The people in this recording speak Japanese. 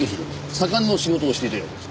左官の仕事をしていたようです。